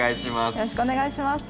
よろしくお願いします。